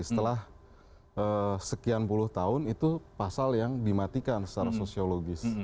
setelah sekian puluh tahun itu pasal yang dimatikan secara sosiologis